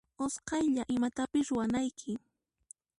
Usqaylla imatapis ruwanayki.